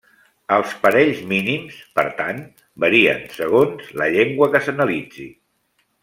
Els parells mínims, per tant, varien segons la llengua que s'analitzi.